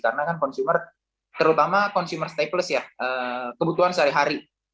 karena kan konsumer terutama consumer staples ya kebutuhan sehari hari